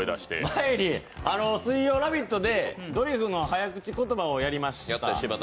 前に水曜「ラヴィット！」でドリフの早口言葉をやりました。